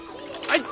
はい。